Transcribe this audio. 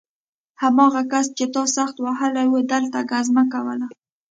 هماغه کس چې تا سخت وهلی و دلته ګزمه کوله